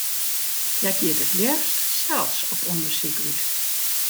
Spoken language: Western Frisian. Hja giet it leafst sels op ûndersyk út.